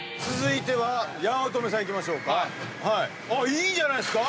いいんじゃないですか？